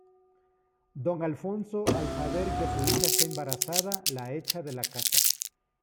Don Alfonso al saber que su hija está embarazada, la echa de la casa.